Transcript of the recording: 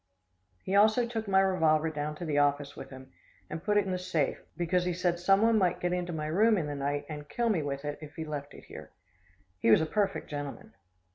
He also took my revolver down to the office with him and put it in the safe, because he said someone might get into my room in the night and kill me with it if he left it here. He was a perfect gentleman.